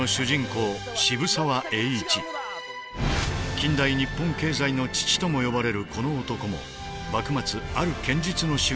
近代日本経済の父とも呼ばれるこの男も幕末ある剣術の修行をしていた。